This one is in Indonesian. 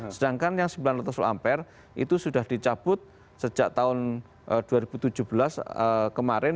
sedangkan yang sembilan ratus v ampere itu sudah dicabut sejak tahun dua ribu tujuh belas kemarin